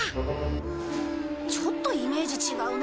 うんちょっとイメージ違うな。